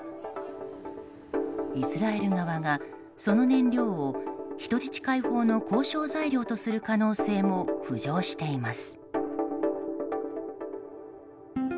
イスラエル側が、その燃料を人質解放の交渉材料とする可能性も浮上しています。